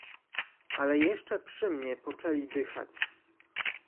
"Ale jeszcze przy mnie poczęli dychać."